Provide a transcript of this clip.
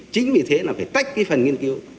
chính vì thế là phải tách cái phần nghiên cứu